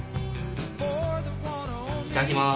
いただきます。